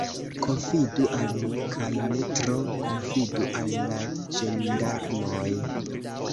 Konfidu al mi, kaj ne tro konfidu al la ĝendarmoj.